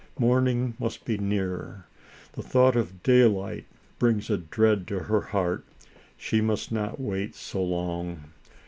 Morning must be near. The thought of daylight brings a dread to her heart; she must not wait so long.